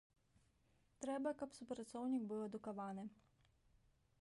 Трэба, каб супрацоўнік быў адукаваны.